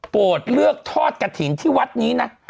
โปรดเลือกทอดกถิ่นที่วัดนี้นะ